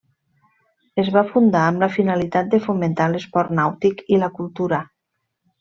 Es va fundar amb la finalitat de fomentar l’esport nàutic i la cultura.